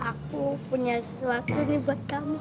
aku punya sesuatu nih buat kamu